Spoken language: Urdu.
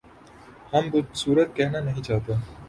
ہم بد صورت کہنا نہیں چاہتے